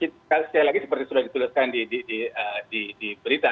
sekali lagi seperti sudah dituliskan di berita